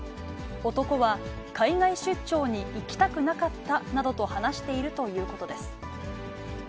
男は海外出張に行きたくなかったなどと話しているということです。